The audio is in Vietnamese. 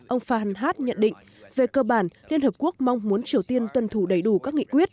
ông fhan hat nhận định về cơ bản liên hợp quốc mong muốn triều tiên tuân thủ đầy đủ các nghị quyết